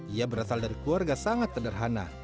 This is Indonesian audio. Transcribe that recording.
ia berasal dari keluarga sangat sederhana